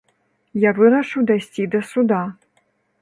Я вырашыў дайсці да суда.